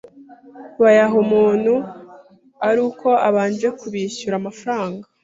bayaha umuntu ari uko abanje kubishyura amafaranga,